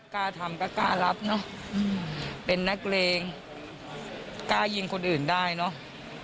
กล้าทำก็กล้ารับเนอะเป็นนักเลงกล้ายิงคนอื่นได้เนอะ